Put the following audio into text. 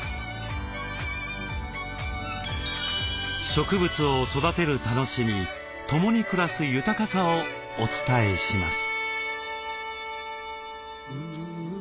植物を育てる楽しみ共に暮らす豊かさをお伝えします。